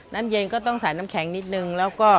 น้ำเย็นก็ต้องใส่น้ำแข็งนิดหนึ่ง